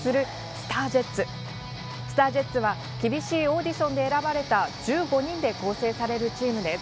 ＳＴＡＲＪＥＴＳは厳しいオーディションで選ばれた１５人で構成されるチームです。